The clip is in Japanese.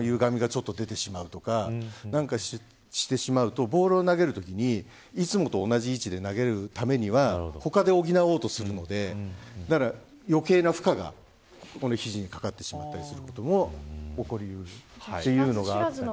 例えば体の歪みがちょっと出てしまうとか何かしてしまうとボールを投げるときにいつもと同じ位置で投げるためには他で補おうとするので余計な負荷が肘にかかってしまうことも起こり得る。